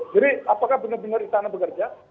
jadi apakah benar benar istana bekerja